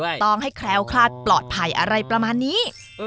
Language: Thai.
ต้องให้แคล้วคลาดปลอดภัยอะไรประมาณนี้